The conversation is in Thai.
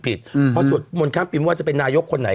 เพราะสวดมนต์ข้ามปีมว่าจะเป็นนายกคนไหน